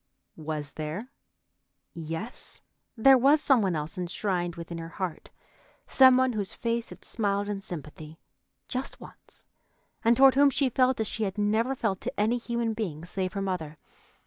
Was there? Yes, there was some one else enshrined within her heart, some one whose face had smiled in sympathy just once, and toward whom she felt as she had never felt to any human being save her mother.